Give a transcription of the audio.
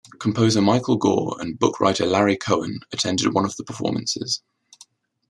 Composer Michael Gore and book-writer Larry Cohen attended one of the performances.